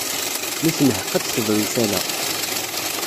Mi tenheq a d-tebru i tala.